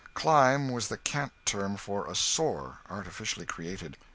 'Clime' was the cant term for a sore, artificially created.